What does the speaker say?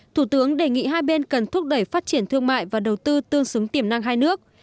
thủ tướng đề nghị hai bên cần thúc đẩy phát triển thương mại và đầu tư tương xứng tiềm năng hai nước